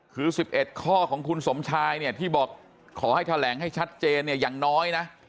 คือ๑๑ข้อของคุณสมชายเนี่ยที่บอกขอให้แถลงให้ชัดเจนเนี่ยอย่างน้อยนะ